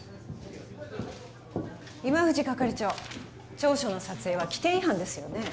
今藤係長調書の撮影は規定違反ですよね？